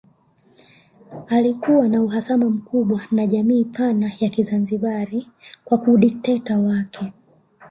Alikuwa na uhasama mkubwa na jamii pana ya Kizanzibari kwa udikteta wake